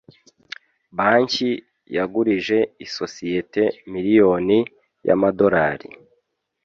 Banki yagurije isosiyete miliyoni y'amadolari